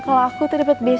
kamu cakep disanjung